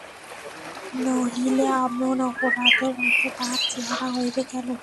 নহিলে এমন অপরাধীর মতো তাহার চেহারা হইবে কেন।